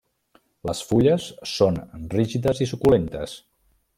Les fulles són rígides i suculentes.